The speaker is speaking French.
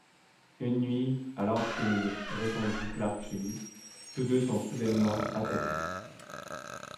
Une nuit, alors qu'il reconduit Clark chez lui, tous les deux sont soudainement attaqués.